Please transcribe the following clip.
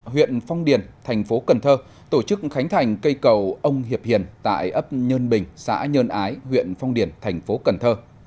huyện phong điền thành phố cần thơ tổ chức khánh thành cây cầu ông hiệp hiền tại ấp nhơn bình xã nhơn ái huyện phong điền thành phố cần thơ